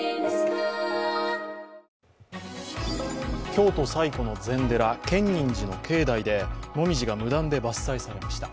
京都最古の禅寺建仁寺の境内でもみじが無断で伐採されました。